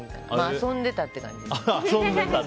遊んでたって感じです。